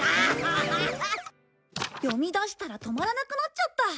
読みだしたら止まらなくなっちゃった。